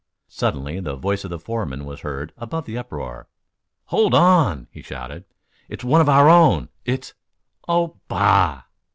Suddenly the voice of the foreman was heard above the uproar. "Hold on!" he shouted. "It's one of our own it's Oh, bah!"